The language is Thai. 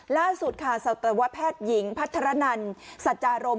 ล่าสุดค่ะสวัสดิ์ว่าแพทย์หญิงพัฒนรรสัจจารม